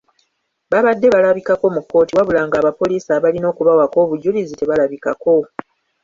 Babadde balabikako mu kkooti wabula ng'abapoliisi abalina okubawaako obujulizi tebalabikako.